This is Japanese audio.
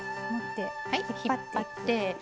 持って引っ張って。